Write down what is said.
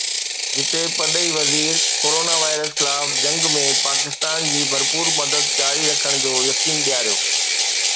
چيني پرڏيهي وزير ڪورونا وائرس خلاف جنگ ۾ پاڪستان جي ڀرپور مدد جاري رکڻ جو يقين ڏياريو